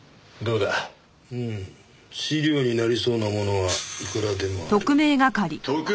うん試料になりそうなものはいくらでもある。